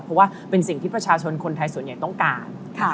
เพราะว่าเป็นสิ่งที่ประชาชนคนไทยส่วนใหญ่ต้องการ